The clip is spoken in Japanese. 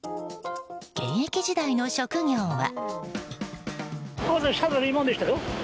現役時代の職業は？